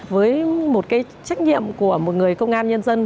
với một cái trách nhiệm của một người công an nhân dân